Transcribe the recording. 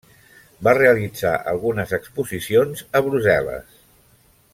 Va realitzar algunes exposicions a Brussel·les.